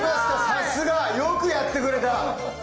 さすがよくやってくれた。